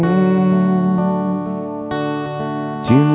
masih ingin mendengar suaramu